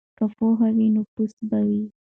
که پوهه وي نو پاس وي.